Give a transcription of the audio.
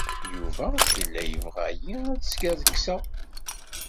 Yuba yella yebɣa-iyi ad skerkseɣ.